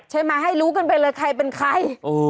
ให้มาให้รู้กันไปเลยใครเป็นใคร